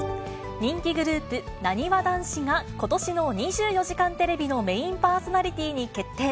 人気グループ、なにわ男子が、ことしの２４時間テレビのメインパーソナリティーに決定。